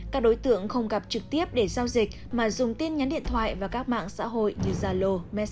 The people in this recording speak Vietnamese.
các đối tượng không gặp trực tiếp để giao dịch mà dùng tin nhắn điện thoại và các mạng xã hội như zalo